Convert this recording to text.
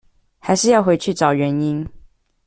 還是要回去找原因